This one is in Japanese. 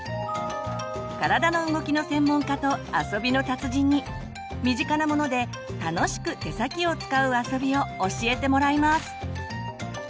体の動きの専門家と遊びの達人に身近なもので楽しく手先を使う遊びを教えてもらいます！